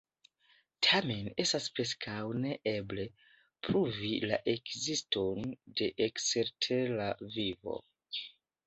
Tamen estas preskaŭ ne eble, pruvi la ekziston de ekstertera vivo.